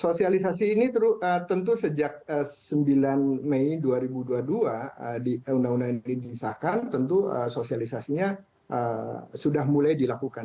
sosialisasi ini tentu sejak sembilan mei dua ribu dua puluh dua undang undang ini disahkan tentu sosialisasinya sudah mulai dilakukan